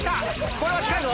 これは近いぞ！